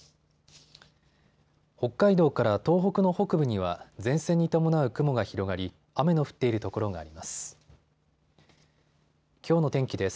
北海道から東北の北部には前線に伴う雲が広がり雨の降っている所があります。